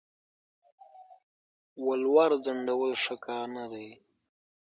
ولور ځنډول ښه کار نه دی.